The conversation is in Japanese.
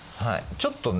ちょっとね